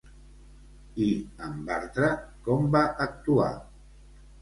I en Bartra, com va actuar?